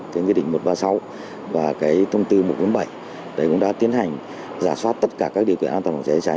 quy định một trăm ba mươi sáu và thông tư một trăm bốn mươi bảy cũng đã tiến hành giả soát tất cả các điều kiện an toàn phòng cháy chữa cháy